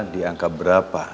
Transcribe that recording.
di angka berapa